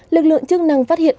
lực lượng chức năng phát hiện